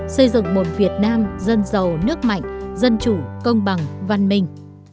xây dựng một việt nam dân giàu nước mạnh dân chủ công bằng văn minh